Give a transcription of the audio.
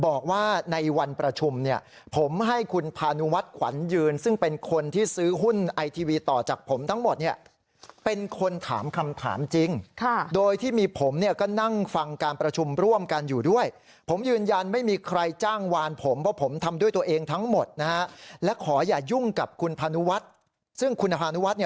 บอกว่าในวันประชุมเนี่ยผมให้คุณพานุวัฒน์ขวัญยืนซึ่งเป็นคนที่ซื้อหุ้นไอทีวีต่อจากผมทั้งหมดเนี่ยเป็นคนถามคำถามจริงโดยที่มีผมเนี่ยก็นั่งฟังการประชุมร่วมกันอยู่ด้วยผมยืนยันไม่มีใครจ้างวานผมเพราะผมทำด้วยตัวเองทั้งหมดนะฮะและขออย่ายุ่งกับคุณพานุวัฒน์ซึ่งคุณพานุวัฒ